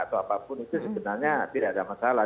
atau apapun itu sebenarnya tidak ada masalah